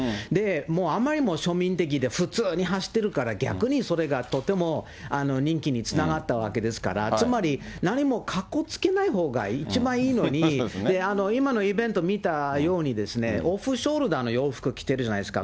もうあまりにも庶民的で、普通に走ってるから、逆にそれがとても人気につながったわけですから、つまり何もかっこつけないほうが一番いいのに、今のイベント見たようにですね、オフショルダーの洋服着てるじゃないですか。